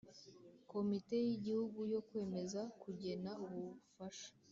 Komite y Igihugu yo kwemeza kugena ubufasha